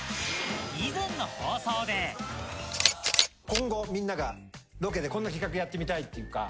今後みんながロケでこんな企画やってみたいっていうか。